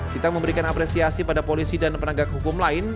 kita memberikan apresiasi pada polisi dan penegak hukum lain